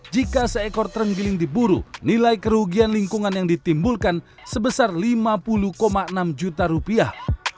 jika seekor terenggiling diburu nilai kerugian lingkungan yang ditimbulkan sebesar lima puluh enam juta rupiah